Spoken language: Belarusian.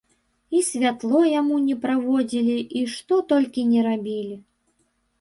І святло яму не праводзілі, і што толькі ні рабілі.